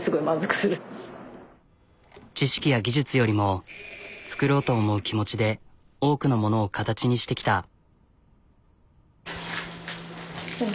知識や技術よりも作ろうと思う気持ちで多くのものを形にしてきた。